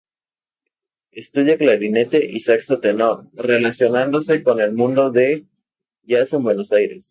Estudia clarinete y saxo tenor, relacionándose con el mundo del jazz de Buenos Aires.